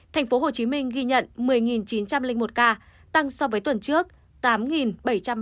tp hcm ghi nhận một mươi chín trăm linh một ca tăng so với tuần trước tám bảy trăm ba mươi ca